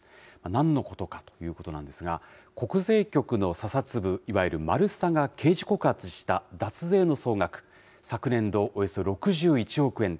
なんのことかということなんですが、国税局の査察部、いわゆるマルサが刑事告発した脱税の総額、昨年度、およそ６１億円。